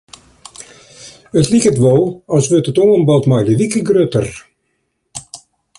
It liket wol as wurdt it oanbod mei de wike grutter.